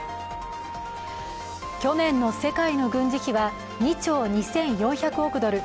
去年の世界の軍事費は２兆２４００億ドル